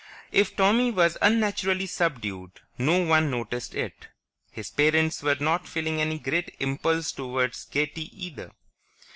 If Tommy was unnaturally subdued, no one noticed it; his parents were not feeling any great impulse toward gaiety either.